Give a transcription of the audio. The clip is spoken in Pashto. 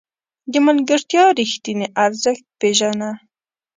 د ملګرتیا رښتیني ارزښت پېژنه.